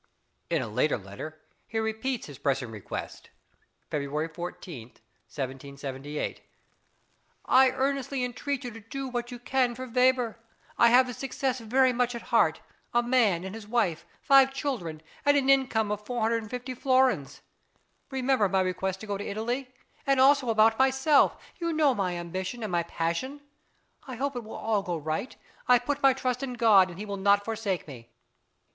In a later letter he repeats his pressing request (February 14, 1778): I earnestly entreat you to do what you can for Weber; I have his success very much at heart; a man and his wife, five children, and an income of 450 florins! Remember my request as to Italy, and also about myself; you know my ambition and my passion. I hope it will all go right; I put my trust in God, and He will not forsake us.